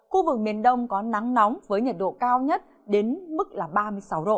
khu vực miền đông có nắng nóng với nhiệt độ cao nhất đến mức là ba mươi sáu độ